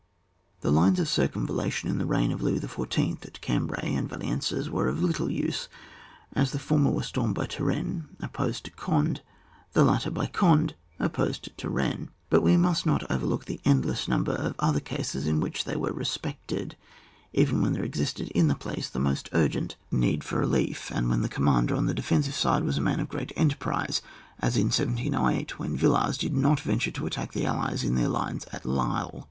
The lines of circumvallation in the reign of Louis XIY., at Cambray and Valenciennes, were of little use, as the former were stormed by Turenne, op posed to Cond6, the latter by Oondd op posed to Turenne ; but we must not over look the endless number of other cases in which they were respected, even when there existed iu the place the most argent 26 ON WAR. [book VII. need for relief ; and when the commander on the defensive side was a man of great enterprise, as in 1708, when Villars did not venture to attack the allies in their lines at Lille.